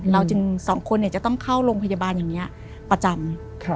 จึงสองคนจะต้องเข้าโรงพยาบาลอย่างนี้ประจำ